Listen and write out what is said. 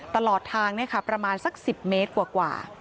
ตลอดทางประมาณสัก๑๐เมตรกว่า